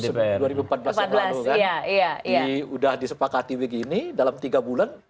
dengan pemerintah betul menarik menarik kejadian dua ribu empat belas sudah disepakati begini dalam tiga bulan